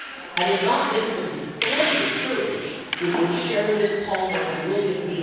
^ Had it not been for the splendid courage with which Sheridan, Palmer, and William B.